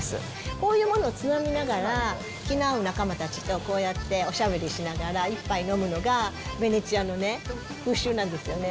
こういうものをつまみながら、気の合う仲間たちとこうやっておしゃべりしながら一杯飲むのが、ヴェネツィアの風習なんですよね。